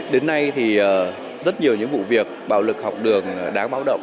đến nay thì rất nhiều những vụ việc bạo lực học đường đáng báo động